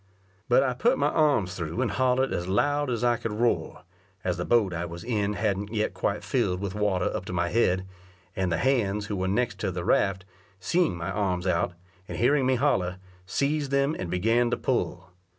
But I put my arms through and hollered as loud as I could roar, as the boat I was in hadn't yet quite filled with water up to my head, and the hands who were next to the raft, seeing my arms out, and hearing me holler, seized them, and began to pull.